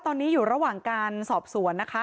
ตอนนี้อยู่ระหว่างการสอบสวนนะคะ